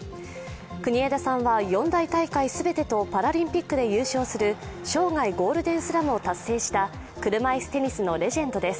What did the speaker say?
国枝さんは四大大会全てとパラリンピックで優勝する生涯ゴールデンスラムを達成した車いすテニスのレジェンドです。